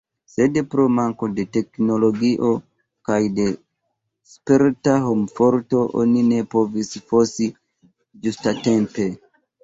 Sed pro manko de teknologio kaj de sperta homforto oni ne povis fosi ĝustatempe.